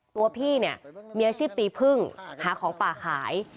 ตัวพี่เนี่ยมีอาชีพตีพึ่งหาของป่าขาย